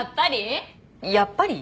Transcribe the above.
やっぱり？